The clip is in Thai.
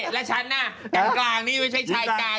พี่พฤษฐานเชิญนะฮะหญิงกลางหญิงกลางหญิงกลางต้องไปรับข้างโน้นน่ะไหม